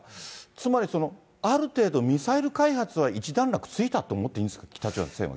つまり、ある程度ミサイル開発は一段落ついたと思っていいんですか、北朝鮮は。